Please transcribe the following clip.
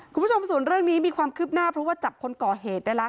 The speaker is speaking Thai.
คุณผู้ชมส่วนเรื่องนี้มีความคืบหน้าเพราะว่าจับคนก่อเหตุได้แล้ว